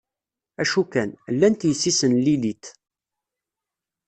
Acu kan, llant yessi-s n Lilit.